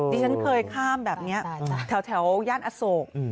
ที่ฉันเคยข้ามแบบนี้แถวย่านอโศก